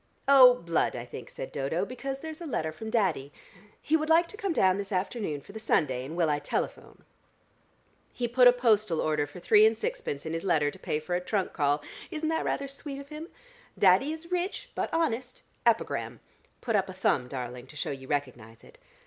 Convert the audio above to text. "Oh, blood, I think," said Dodo, "because there's a letter from Daddy. He would like to come down this afternoon for the Sunday, and will I telephone? He put a postal order for three and sixpence in his letter, to pay for a trunk call: isn't that rather sweet of him? Daddy is rich, but honest. Epigram. Put up a thumb, darling, to show you recognise it.